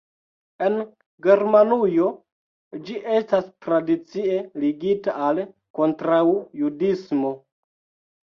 En Germanujo ĝi estas tradicie ligita al kontraŭjudismo.